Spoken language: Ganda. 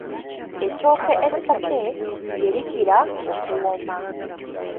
Ettooke essake lye likira okuwooma.